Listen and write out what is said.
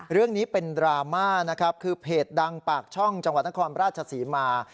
เรื่องนี้เป็นดราม่านะครับคือเพจดังปากช่องจังหวัดนครราชศรีมา